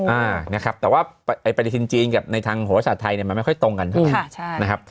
อ่านะครับแต่ว่าแบบไอน์ปฏิทินจีนส์ในทางหัวอาศาสตร์ไทยเนี้ยมันไม่ค่อยตรงกันครับ